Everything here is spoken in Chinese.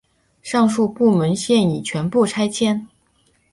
上述部门现已全部搬迁。